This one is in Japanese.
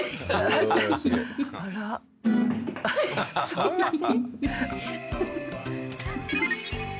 そんなに？